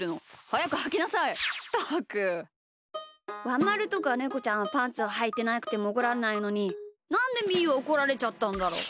ワンまるとかネコちゃんはパンツをはいてなくてもおこらんないのになんでみーはおこられちゃったんだろう。